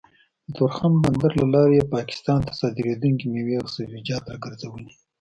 د تورخم بندر له لارې يې پاکستان ته صادرېدونکې مېوې او سبزيجات راګرځولي